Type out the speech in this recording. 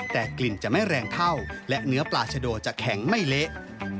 แต่กลิ่นจะไม่แรงเท่าและเนื้อปลาชะโดจะแข็งไม่เละ